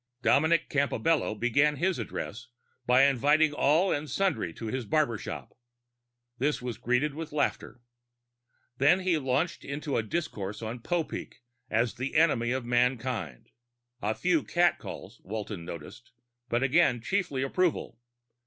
Dominic Campobello began his address by inviting all and sundry to his barber shop; this was greeted with laughter. Then he launched into a discourse on Popeek as an enemy of mankind. A few catcalls, Walton noted, but again chiefly approval.